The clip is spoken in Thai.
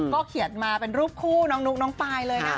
ก็เขียนมาเป็นรูปคู่นุ๊กนุ๊กปายเลย